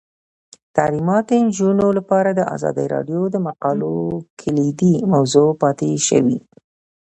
تعلیمات د نجونو لپاره د ازادي راډیو د مقالو کلیدي موضوع پاتې شوی.